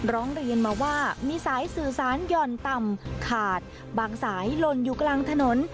ร้องเรียนมาว่ามีสายสื่อสารหย่อนต่ำขาดบางสายลนอยู่กลางถนน